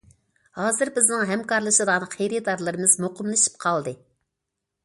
ھازىر بىزنىڭ ھەمكارلىشىدىغان خېرىدارلىرىمىز مۇقىملىشىپ قالدى.